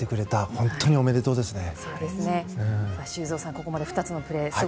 本当におめでとうですね。